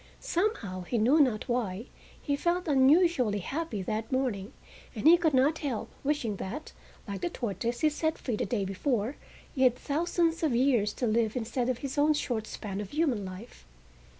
Somehow, he knew not why, he felt unusually happy that morning; and he could not help wishing that, like the tortoise he set free the day before, he had thousands of years to live instead of his own short span of human life.